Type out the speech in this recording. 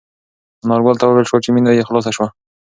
انارګل ته وویل شول چې مېنه یې خلاصه شوه.